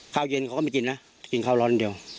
ข้าวเย็นเขาก็ไม่กินนะกินข้าวร้อนเดียว